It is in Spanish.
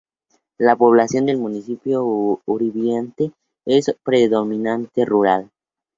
La población del Municipio Uribante es predominantemente rural.